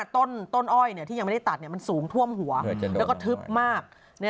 ต้นอ้อยที่ยังไม่ได้ตัดมันสูงท่วมหัวแล้วก็ทึบมาก